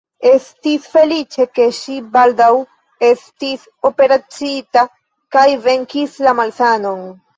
Estis feliĉe, ke ŝi baldaŭ estis operaciita kaj venkis la malsanon.